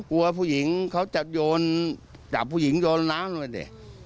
กลัวผู้หญิงเขาจะโยนจากผู้หญิงโยนน้ำเลยดิไอ้เราก็เสียวดิ